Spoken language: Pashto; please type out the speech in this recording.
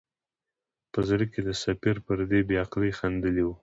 په زړه کې یې د سفیر پر دې بې عقلۍ خندلي وه.